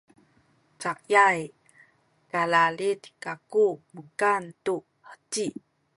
cayay kalalid kaku mukan tu heci